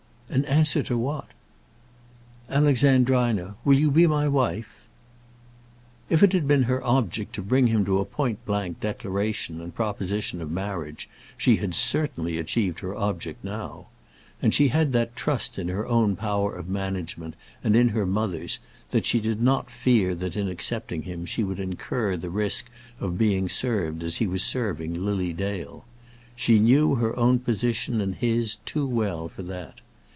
"An answer to what?" "Alexandrina, will you be my wife?" If it had been her object to bring him to a point blank declaration and proposition of marriage, she had certainly achieved her object now. And she had that trust in her own power of management and in her mother's, that she did not fear that in accepting him she would incur the risk of being served as he was serving Lily Dale. She knew her own position and his too well for that.